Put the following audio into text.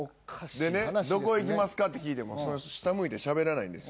でねどこ行きますか？って聞いてもその人下向いてしゃべらない。